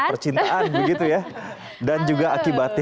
percintaan begitu ya dan juga akibatnya